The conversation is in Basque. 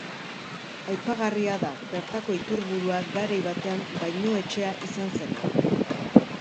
Aipagarria da bertako iturburua garai batean bainuetxea izan zena.